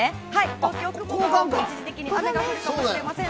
東京、雲が多く一時的に雨が降るかもしれません。